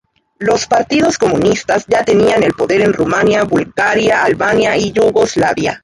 Los partidos comunistas ya tenían el poder en Rumania, Bulgaria, Albania, y Yugoslavia.